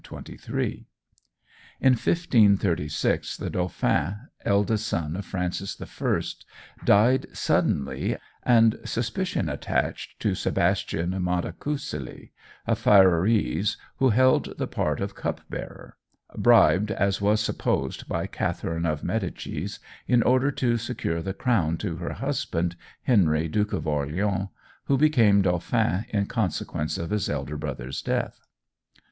In 1536 the Dauphin, eldest son of Francis I, died suddenly, and suspicion attached to Sebastian Montecucculi, a Ferrarese, who held the part of cup bearer bribed, as was supposed by Catherine of Medicis in order to secure the crown to her husband, Henry, Duke of Orleans, who became Dauphin in consequence of his elder brother's death.